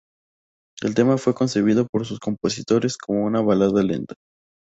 El tema fue concebido por sus compositores como una balada lenta.